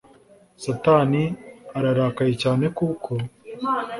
Satani ararakaye cyane kuko